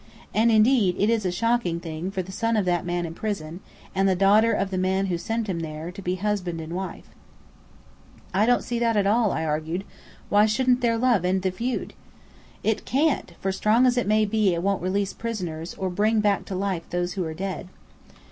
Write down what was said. And indeed, it is a shocking thing for the son of that man in prison, and the daughter of the man who sent him there, to be husband and wife." "I don't see that at all," I argued. "Why shouldn't their love end the feud?" "It can't, for strong as it may be, it won't release prisoners, or bring back to life those who are dead."